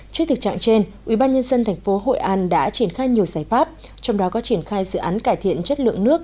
trước thực trạng trên ubnd tp hội an đã triển khai nhiều giải pháp trong đó có triển khai dự án cải thiện chất lượng nước